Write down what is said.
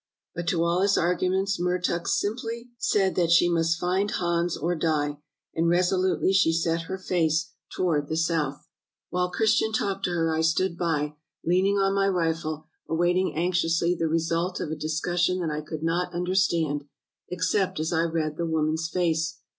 But to all his arguments Mertuk simply said that she must find Hans or die — and resolutely she set her face toward the south. 382 True Tales of Arctic Heroism "While Christian talked to her I stood by, leaning on my rifle, awaiting anxiously the result of a discus sion that I could not understand, except as I read the woman's face.